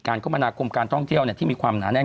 คมนาคมการท่องเที่ยวที่มีความหนาแน่น